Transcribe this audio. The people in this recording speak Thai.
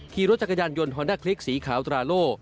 ขี่รถจักรยานยนต์ฮอนด้าคลิกสีขาวตราโล่